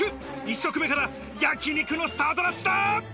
１食目から焼き肉のスタートダッシュだ！